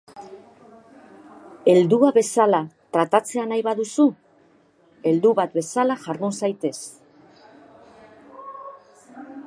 Heldua bezala tratatzea nahi baduzu, heldu bat bezala jardun zaitez!